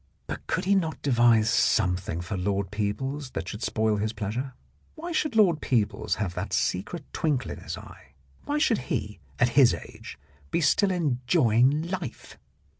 But could he not devise something for Lord Peebles that should spoil his pleasure? Why should Lord Peebles have that secret twinkle in his eye? Why should he, at his age, be still enjoying life?